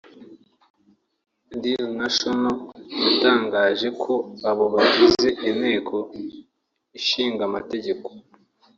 Daily Nation yatangaje ko abo bagize Inteko Ishinga Amategeko